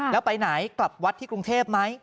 แล้วไปไหนกลับวัดที่กรุงเทพไหม